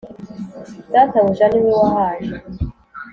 Data buja niwe wahaje.